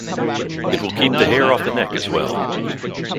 It will keep the hair off the neck as well.